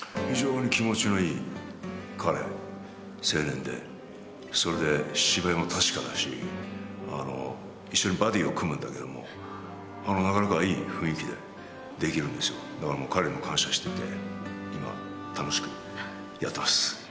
非常に気持ちのいい彼青年でそれで芝居も確かだし一緒にバディを組むんだけどもなかなかいい雰囲気でできるんですよだからもう彼にも感謝してて今楽しくやってます